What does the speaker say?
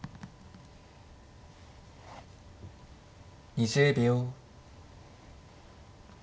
２０秒。